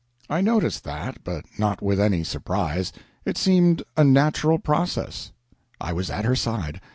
I noticed that, but not with any surprise; it seemed a natural process. I was at her side.